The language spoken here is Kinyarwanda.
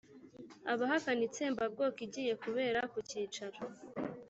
abahakana itsembabwoko igiye kubera ku cyicaro